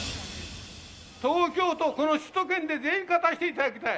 東京都、この首都圏でぜひ勝たせていただきたい。